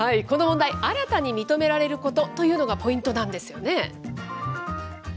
この問題、新たに認められることというのがポイントなんです